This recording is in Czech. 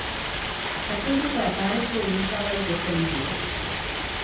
Takto vzniklé páry spolu zůstávají po celý život.